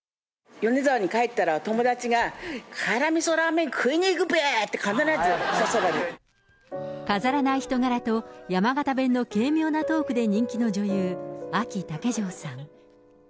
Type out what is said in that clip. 米沢に帰ったら、友達が、辛みそラーメン食いに行くべーって、飾らない人柄と、山形弁の軽妙なトークで人気の女優、あき竹城さん。